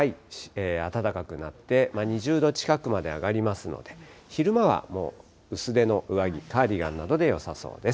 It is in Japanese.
暖かくなって、２０度近くまで上がりますので、昼間はもう薄手の上着、カーディガンなどでよさそうです。